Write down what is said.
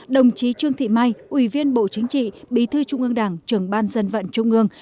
đồng chí trương thị mai ủy viên bộ chính trị bí thư trung ương đảng trưởng ban dân vận trung ương